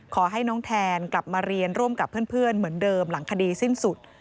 ขอให้น้องแทนกลับมาเรียนร่วมกับเพื่อนเหมือนเดิมหลังคดีสิ้นสุด